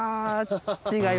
違う。